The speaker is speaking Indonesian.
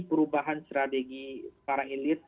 perubahan strategi para elit